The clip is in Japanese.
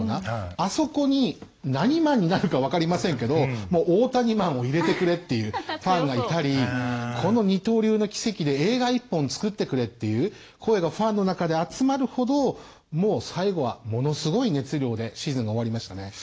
あそこに何マンになるか分かりませんけど大谷マンを入れてくれっていうファンがいたりこの二刀流の奇跡で映画１本作ってくれっていう声がファンの中で集まるほどもう最後はものすごい熱量でシーズンが終わりましたね。